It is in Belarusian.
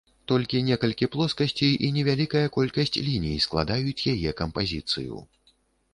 Толькі некалькі плоскасцей і невялікая колькасць ліній складаюць яе кампазіцыю.